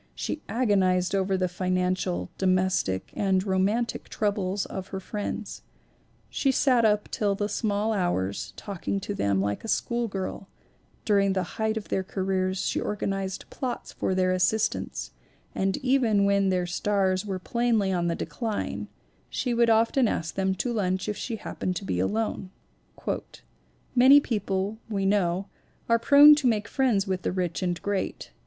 She ALICE DUER MILLER 323 agonized over the financial, domestic and romantic troubles of her friends; she sat up till the small hours, talking to them like a schoolgirl ; during the height of their careers she organized plots for their assistance ; and even when their stars were plainly on the decline, she would often ask them to lunch, if she happened to be alone. "Many people, we know, are prone to make friends with the rich and great.